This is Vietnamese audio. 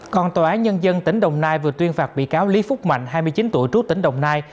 còn tòa án nhân dân tỉnh đồng nai vừa tuyên phạt bị cáo lý phúc mạnh hai mươi chín tuổi trú tỉnh đồng nai